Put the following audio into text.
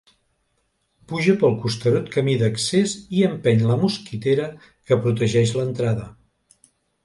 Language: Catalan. Puja pel costerut camí d'accés i empeny la mosquitera que protegeix l'entrada.